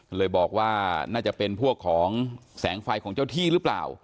ก็เลยบอกว่าน่าจะเป็นพวกของแสงไฟของเจ้าที่หรือเปล่า